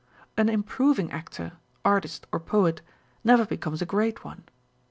An improving actor, artist, or poet never becomes a great one.